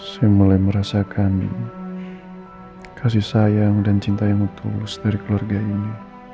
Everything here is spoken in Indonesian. saya mulai merasakan kasih sayang dan cinta yang tulus dari keluarga ini